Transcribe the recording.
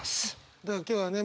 今日はね